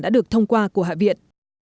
đã được thông qua của hạ viện